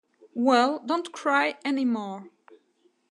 Well, don’t cry any more.